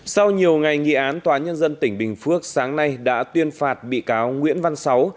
sau nhiều ngày nghị án tòa nhân dân tỉnh bình phước sáng nay đã tuyên phạt bị cáo nguyễn văn sáu